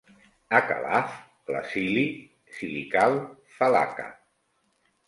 A Calaf, l'Acili. si li cal, fa laca.